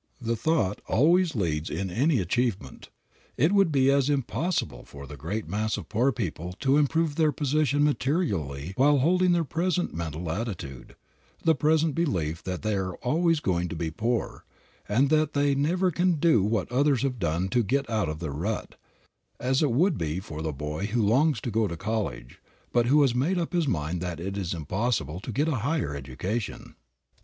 The thought always leads in any achievement. It would be as impossible for the great mass of poor people to improve their position materially while holding their present mental attitude, the persistent belief that they are always going to be poor, and that they never can do what others have done to get out of their rut, as it would be for the boy who longs to go to college, but who has made up his mind that it is impossible, to get a higher education.